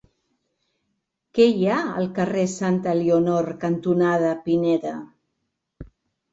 Què hi ha al carrer Santa Elionor cantonada Pineda?